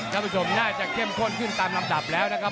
ท่านผู้ชมน่าจะเข้มข้นขึ้นตามลำดับแล้วนะครับ